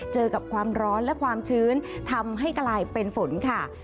เจอกับความร้อนและความชื้นทำให้กลายเป็นฝนค่ะ